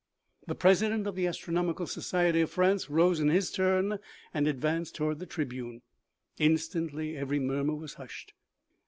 The president of the astronomical society of France rose in his turn and advanced toward the tribune. Instantly every murmur was hushed.